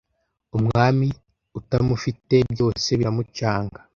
umwami utamufite byose biramucanga